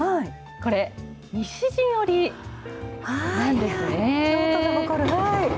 これ、西陣織なんですね。